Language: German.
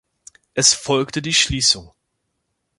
Es folgte die Schließung.